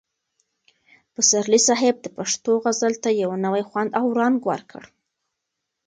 پسرلي صاحب د پښتو غزل ته یو نوی خوند او رنګ ورکړ.